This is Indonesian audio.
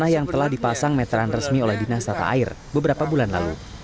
yang telah dipasang meteran resmi oleh dinas tata air beberapa bulan lalu